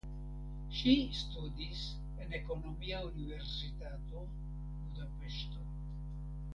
Ŝi studis en Ekonomia Universitato (Budapeŝto).